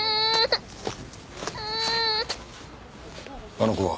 あの子は？